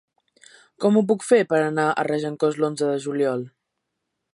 Com ho puc fer per anar a Regencós l'onze de juliol?